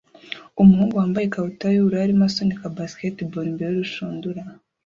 Umuhungu wambaye ikabutura yubururu arimo asunika basketball imbere yurushundura